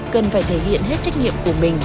cần phải thể hiện hết trách nhiệm của mình